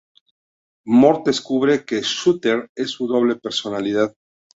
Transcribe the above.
Mort descubre que Shooter es su doble personalidad.